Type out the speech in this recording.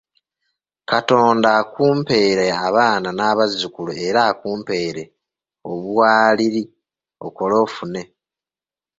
Katonda akumpeere abaana n'abazzukulu era akumpeere obwaliri, okole ofune.